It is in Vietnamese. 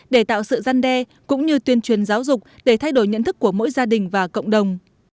để tạo sự gian đe cũng như tuyên truyền giáo dục để thay đổi nhận thức của mỗi gia đình và cộng đồng